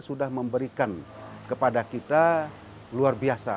sudah memberikan kepada kita luar biasa